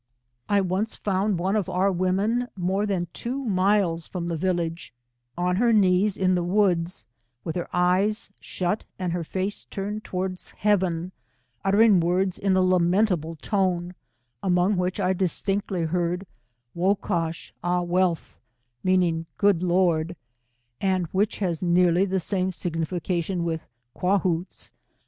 I once found one of our women more than two miles from the village, on her knees in the woods, ' with her eyes shut, and her face tamed towards heaven, uttering words in a lamentable tone, among which I distinctly heard, J^ocush Jh zcelth, mean ing good Lord, and which has nearly the same signification with Quahootze.